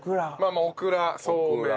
まあオクラそうめん。